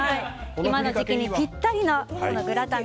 今の時期にぴったりのグラタン